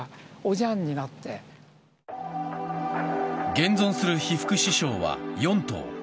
現存する被服支廠は４棟。